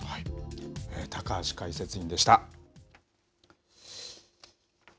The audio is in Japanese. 高橋解説委員でした。